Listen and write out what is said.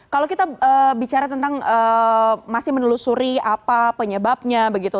kalau kita bicara tentang masih menelusuri apa penyebabnya begitu